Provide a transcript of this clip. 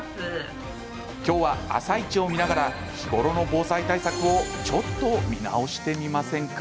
今日は「あさイチ」を見ながら日頃の防災対策をちょっと見直してみませんか？